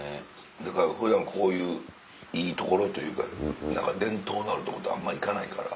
だから普段こういういい所というか伝統のあるとこってあんま行かないから。